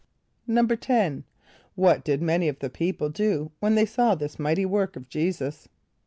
= =10.= What did many of the people do when they saw this mighty work of J[=e]´[s+]us?